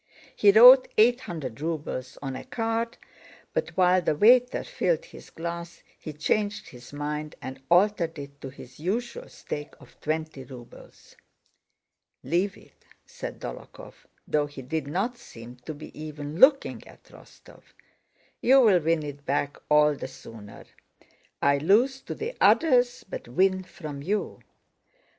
He wrote "800 rubles" on a card, but while the waiter filled his glass he changed his mind and altered it to his usual stake of twenty rubles. "Leave it," said Dólokhov, though he did not seem to be even looking at Rostóv, "you'll win it back all the sooner. I lose to the others but win from you.